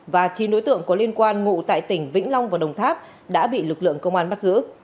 và chín nối tượng có liên quan ngụ tại tỉnh vĩnh long và đồng tháp đã bị lực lượng công an bắt giữ